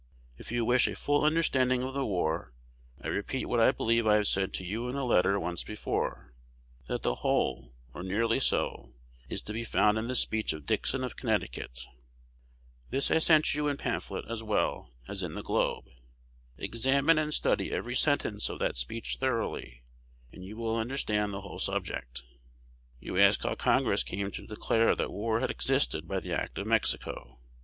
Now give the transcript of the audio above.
If you wish a full understanding of the war, I repeat what I believe I said to you in a letter once before, that the whole, or nearly so, is to be found in the speech of Dixon of Connecticut. This I sent you in pamphlet, as well, as in "The Globe." Examine and study every sentence of that speech thoroughly, and you will understand the whole subject. You ask how Congress came to declare that war had existed by the act of Mexico.